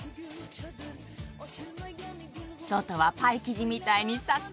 外はパイ生地みたいにサックサク！